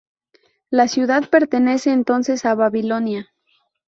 La ciudad pertenece entonces a Babilonia.